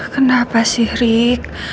kenapa sih rick